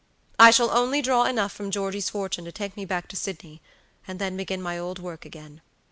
I shall only draw enough from Georgey's fortune to take me back to Sydney, and then begin my old work again."